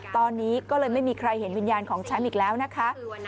ตอนนี้ก็เลยไม่มีใครเห็นวิญญาณของแชมป์อีกแล้วนะคะ